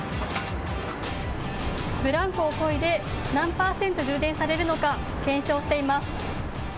ブランコをこいで何％充電されるのか検証してみます。